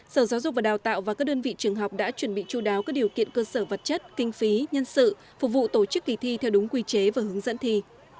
sở giáo dục và đào tạo và các đơn vị trường học đã chuẩn bị chú đáo các điều kiện cơ sở vật chất kinh phí nhân sự phục vụ tổ chức kỳ thi theo đúng quy chế và hướng dẫn thi